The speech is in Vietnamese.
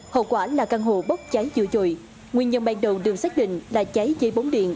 hậu quả là căn hộ bốc cháy dữ dội nguyên nhân ban đầu được xác định là cháy dây bóng điện